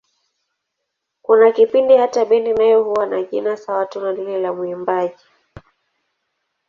Kuna kipindi hata bendi nayo huwa na jina sawa tu na lile la mwimbaji.